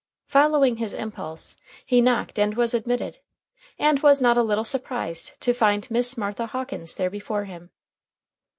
Following his impulse, he knocked and was admitted, and was not a little surprised to find Miss Martha Hawkins there before him.